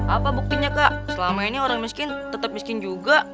apa buktinya kak selama ini orang miskin tetap miskin juga